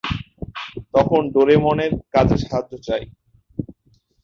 তখন ডোরেমনের কাজে সাহায্য চাই।